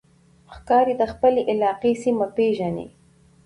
ښکاري د خپلې علاقې سیمه پېژني.